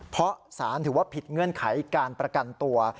เพราะสารถือว่าผิดเงื่อนไขการประกันตัว